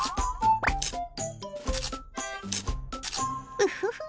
ウフフッ！